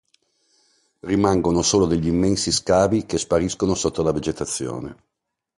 Rimangono solo degli immensi scavi che spariscono sotto la vegetazione.